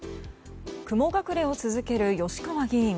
雲隠れを続ける吉川議員。